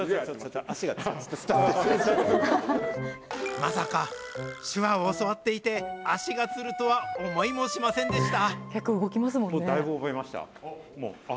まさか、手話を教わっていて、足がつるとは思いもしませんでした。